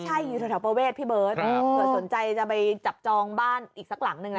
ใช่อยู่แถวประเวทพี่เบิร์ตเผื่อสนใจจะไปจับจองบ้านอีกสักหลังนึง